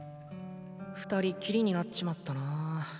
２人っきりになっちまったなー。